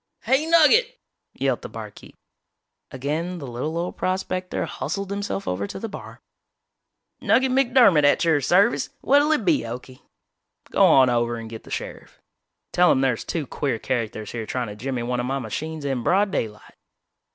"Hey, Nugget!" yelled the barkeep. Again the little old prospector hustled himself over to the bar. "Nugget McDermott at your service! What'll it be, Okie?" "Go on over and get the sheriff. Tell him there's two queer characters here trying to jimmy one of my machines in broad daylight."